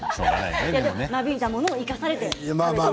間引いたものも生かされて。